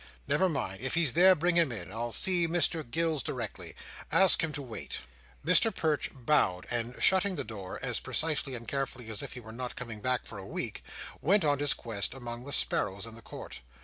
"Never mind. If he's there, bring him in. I'll see Mr Gills directly. Ask him to wait." Mr Perch bowed; and shutting the door, as precisely and carefully as if he were not coming back for a week, went on his quest among the sparrows in the court.